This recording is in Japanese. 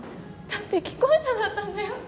だって既婚者だったんだよ。